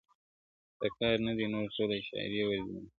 د كار نه دى نور ټوله شاعري ورځيني پاته,